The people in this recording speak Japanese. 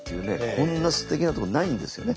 こんなすてきなとこないんですよね。